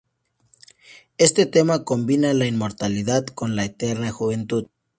Este tema combina la inmortalidad con la eterna juventud.